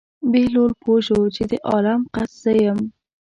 بهلول پوه شو چې د عالم قصد زه یم.